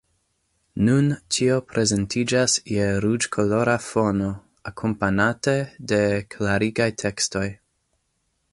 Nun ĉio prezentiĝas je ruĝkolora fono, akompanate de klarigaj tekstoj.